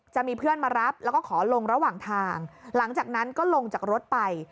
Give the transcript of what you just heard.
จะมีเพื่อนมารับแล้วก็ขอลงระหว่างทางหลังจากนั้นก็ลงจากรถไป